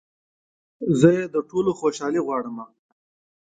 زه يې د ټولو خوشحالي غواړمه